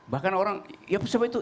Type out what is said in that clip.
bahkan orang ya siapa itu